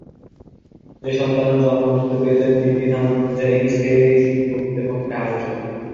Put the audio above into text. যে-সন্তানের জন্মমৃত্যু বেদের বিধানানুযায়ী, সে-ই প্রকৃতপক্ষে আর্য।